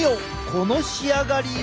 この仕上がりを！